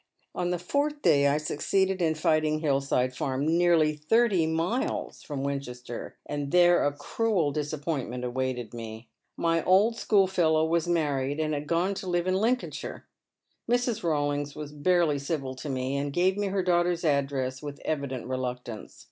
On the fourth day I succeeded in finding Hill side Farm, nearly thirty miles from Winchester, and there a cruel disappointment awaited me. My old schoolfellow was married, and had gone to live in Lincolnshire. Mrs. Rawlings was barely civil to me, and gave me her daughter's address with evident reluctance.